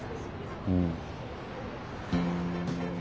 うん。